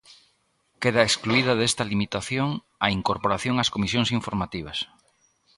Queda excluída desta limitación a incorporación ás comisións informativas.